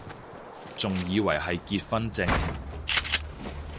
仲以為係結婚証